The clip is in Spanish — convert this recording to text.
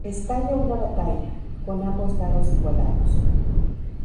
Estalla una batalla, con ambos lados igualados.